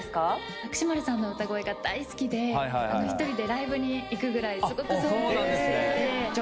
薬師丸さんの歌声が大好きで、１人でライブに行くぐらい、すごく尊敬していて。